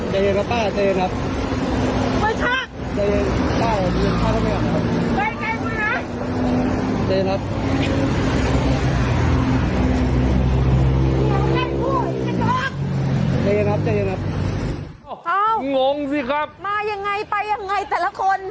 มายังไงไปยังไงแต่ละคน